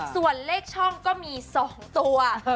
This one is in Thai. ส่วนเลขช่องก็มี๒ตัว